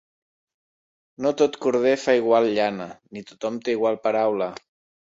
No tot corder fa igual llana, ni tothom té igual paraula.